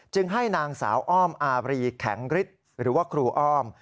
ให้นางสาวอ้อมอารีแข็งฤทธิ์หรือว่าครูอ้อม